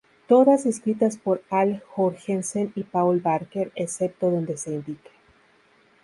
Todas escritas por Al Jourgensen y Paul Barker, excepto donde se indique.